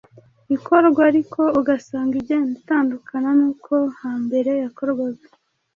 ikorwa ariko ugasanga igenda itandukana n’uko hambere yakorwaga.